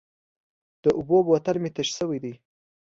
د اوبو بوتل مې تش شوی و.